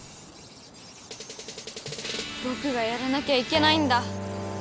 ぼくがやらなきゃいけないんだ。